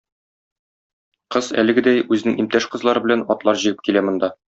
Кыз, әлегедәй, үзенең иптәш кызлары белән, атлар җигеп килә монда.